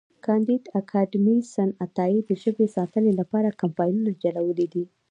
کانديد اکاډميسن عطایي د ژبې ساتنې لپاره کمپاینونه چلولي دي.